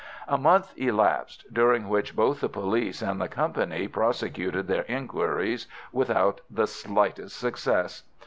A month elapsed, during which both the police and the company prosecuted their inquiries without the slightest success.